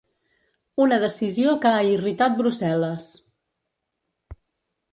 Una decisió que ha irritat Brussel·les.